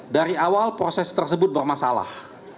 dari awal proses tersebut bermasalah